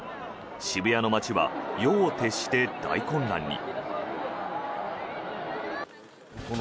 渋谷の街は夜を徹して大混乱に。